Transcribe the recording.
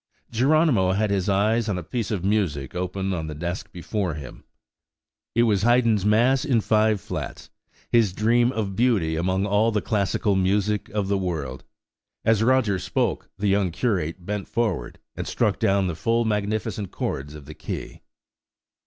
Geronimo had his eyes on a piece of music open on the desk before him. It was Haydn's Mass in five flats–his dream of beauty among all the classical music of the world. As Roger spoke, the young curate bent forward, and struck down the full magnificent chords of the key.